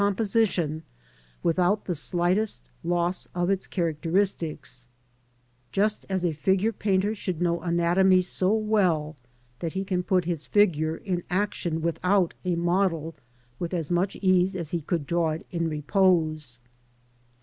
3 composition without the slightest loss of its characteristics; just as a figure "painter should know anatomy so well that he'can put his figure in action without a model, with as much ease as he could draw it in repose.